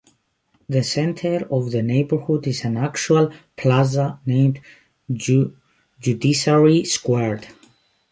The center of the neighborhood is an actual plaza named Judiciary Square.